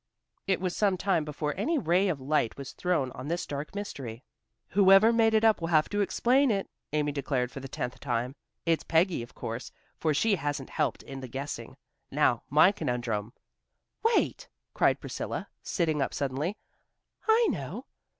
'" It was some time before any ray of light was thrown on this dark mystery. "Whoever made it up will have to explain it," Amy declared for the tenth time. "It's Peggy, of course, for she hasn't helped in the guessing. Now, my conundrum " "Wait," cried Priscilla, sitting up suddenly, "I know.